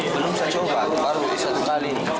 belum saya coba baru bisa sekali